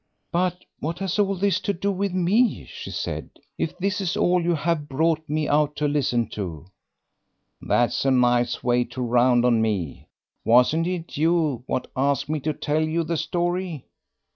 "But what has all this to do with me?" she said. "If this is all you have brought me out to listen to " "That's a nice way to round on me. Wasn't it you what asked me to tell you the story?"